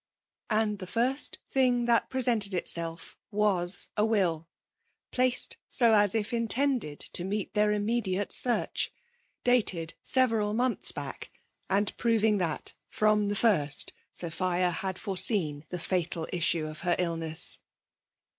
'*' And the first tUng that presented itself ida» a win^ — fllaced so as if intended to meet their immediate search ; dated several months back, and proving that, firom the first, Sophia had foreseen the fatal issue of her illness.